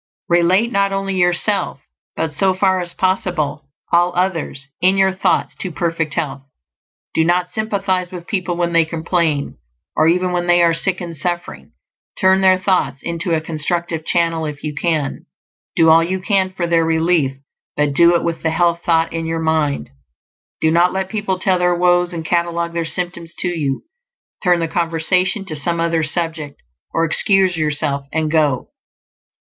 Relate not only yourself, but so far as possible all others, in your thoughts, to perfect health. Do not sympathize with people when they complain, or even when they are sick and suffering. Turn their thoughts into a constructive channel if you can; do all you can for their relief, but do it with the health thought in your mind. Do not let people tell their woes and catalogue their symptoms to you; turn the conversation to some other subject, or excuse yourself and go.